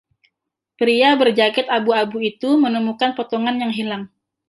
Pria berjaket abu-abu itu menemukan potongan yang hilang.